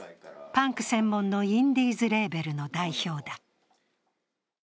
パンク専門のインディーズレーベルの代表だ。